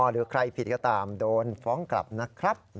หรือใครผิดก็ตามโดนฟ้องกลับนะครับ